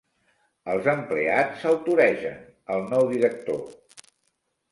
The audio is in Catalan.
Els empleats se'l toregen, el nou director.